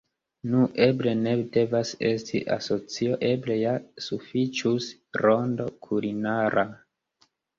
Nu, eble ne devas esti asocio; eble ja sufiĉus “Rondo Kulinara.